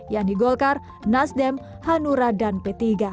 yakni golkar nasdem hanura dan p tiga